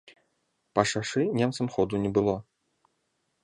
Па шашы немцам ходу не было.